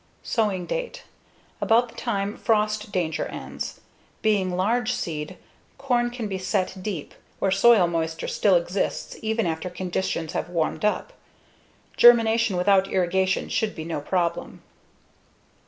Sowing date: About the time frost danger ends. Being large seed, corn can be set deep, where soil moisture still exists even after conditions have warmed up. Germination without irrigation should be no problem.